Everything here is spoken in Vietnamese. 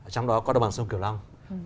trong đó có đồng bằng sông kiều long